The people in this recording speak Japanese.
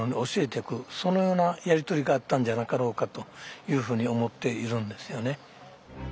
そのようなやり取りがあったんじゃなかろうかというふうに思っているんですよね。